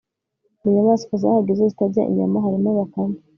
mu nyamaswa zahageze zitarya inyama harimo bakame